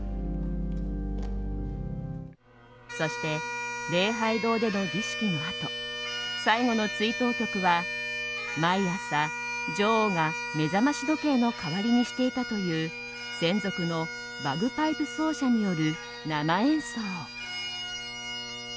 そして、礼拝堂での儀式のあと最後の追悼曲は毎朝、女王が目覚まし時計の代わりにしていたという専属のバグパイプ奏者による生演奏。